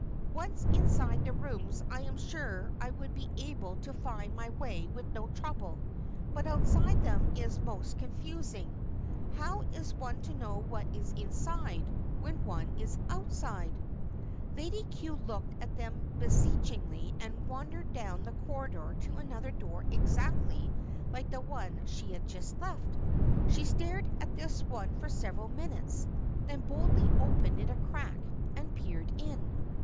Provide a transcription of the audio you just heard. Once inside the rooms I am sure I would be able to find my way with no trouble. But outside them it is most confusing. How is one to know what is inside when one is outside?" Lady Cue looked at them beseechingly and wandered down the corridor to another door exactly like the one she had just left. She stared at this one for several minutes, then boldly opened it a crack and peered in.